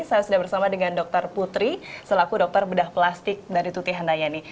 saya sudah bersama dengan dokter putri selaku dokter bedah plastik dari tuti handayani